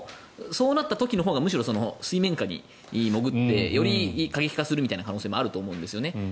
そうなった時のほうが水面下に潜ってより過激化する可能性もあると思うんですよね。